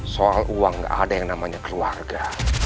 soal uang nggak ada yang namanya keluarga